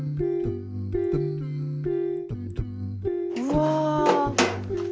うわ。